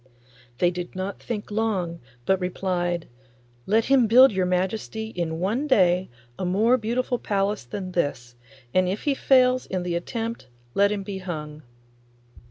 They did not think long, but replied, 'Let him build your Majesty in one day a more beautiful palace than this, and if he fails in the attempt let him be hung.